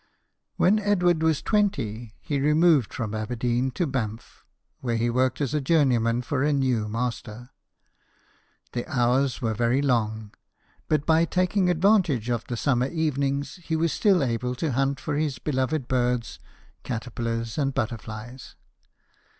When Edward was twenty, he removed from Aberdeen to Banff; where he worked as a journeyman for a new master. The hours were very long, but by taking advantage of the summer evenings, he was still able to hunt for his beloved birds, caterpillars, and butterflies.